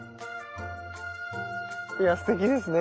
いやすてきですね。